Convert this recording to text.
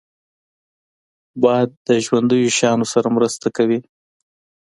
باد د ژوندیو شیانو سره مرسته کوي